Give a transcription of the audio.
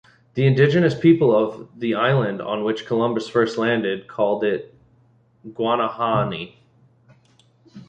The indigenous people of the island on which Columbus first landed called it Guanahani.